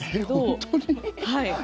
本当に？